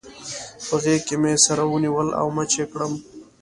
په غېږ کې مې سره ونیول او مچ يې کړم.